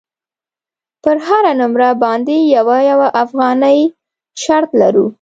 پر هره نمره باندې یوه یوه افغانۍ شرط لرو.